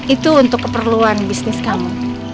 itu untuk keperluan bisnis kamu